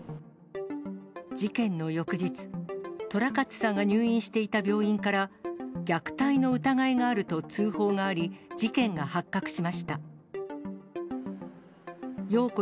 事件の翌日、寅勝さんが入院していた病院から虐待の疑いがあると通報があり、事件が発覚しました。